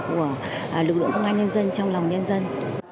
của lực lượng công an nhân dân trong lòng nhân dân